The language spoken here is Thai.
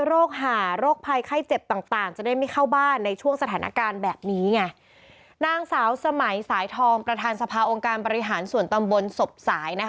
โรคภัยไข้เจ็บต่างต่างจะได้ไม่เข้าบ้านในช่วงสถานการณ์แบบนี้ไงนางสาวสมัยสายทองประธานสภาองค์การบริหารส่วนตำบลศพสายนะคะ